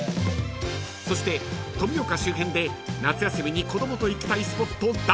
［そして富岡周辺で夏休みに子供と行きたいスポット第１位は］